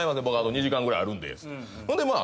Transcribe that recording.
僕２時間ぐらいあるんでって。